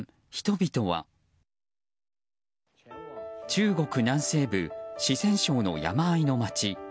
中国南西部四川省の山あいの町。